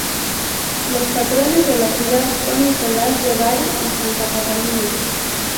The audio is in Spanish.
Los patrones de la ciudad son San Nicolás de Bari y Santa Catalina.